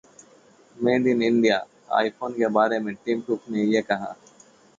'made in India' iPhone के बारे में टिम कुक ने ये कहा